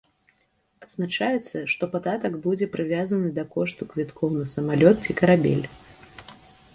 Адзначаецца, што падатак будзе прывязаны да кошту квіткоў на самалёт ці карабель.